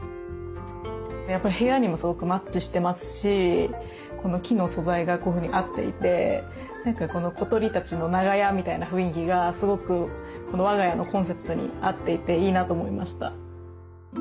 やっぱり部屋にもすごくマッチしてますしこの木の素材がこういうふうに合っていて何かこの小鳥たちの長屋みたいな雰囲気がすごく我が家のコンセプトに合っていていいなと思いました。